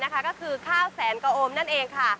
ก็คือข้าวแสนกะโอมนั่นเองค่ะ